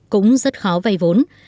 cũng rất khó vây vốn